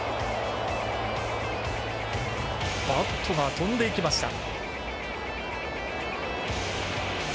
バットが飛んでいきました。